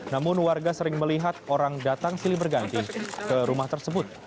namun warga sering melihat orang datang silih berganti ke rumah tersebut